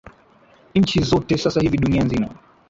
nchi zote sasa hivi dunia nzima